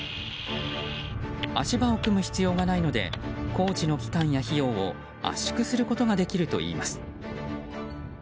足場を組む必要がないので工事の期間や費用を圧縮することができるといいます。